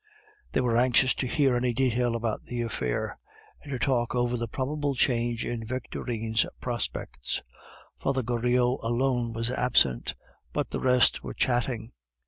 They were anxious to hear any detail about the affair, and to talk over the probable change in Victorine's prospects. Father Goriot alone was absent, but the rest were chatting.